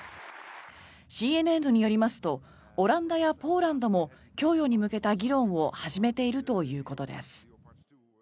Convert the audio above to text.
ＣＮＮによりますとオランダやポーランドも供与に向けた議論を始めているということです。